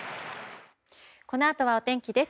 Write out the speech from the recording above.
このあとはお天気です。